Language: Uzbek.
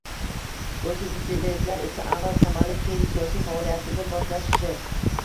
bo‘lsa, dissidentlar esa avval qamalib keyin siyosiy faoliyatini boshlashi